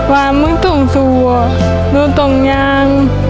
ว่ามึงต้องสู้หนูต้องยาง